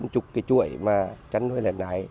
ba bốn mươi cái chuỗi mà chăn nuôi lần này